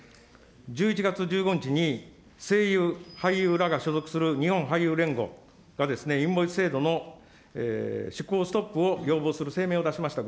１１月１５日に声優、俳優らが所属する日本俳優連合がインボイス制度の施行ストップを要望する声明を出しました。